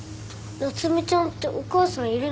夏海ちゃんってお母さんいるの？